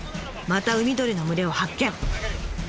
また海鳥の群れを発見！